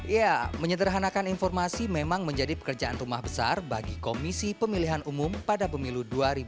ya menyederhanakan informasi memang menjadi pekerjaan rumah besar bagi komisi pemilihan umum pada pemilu dua ribu dua puluh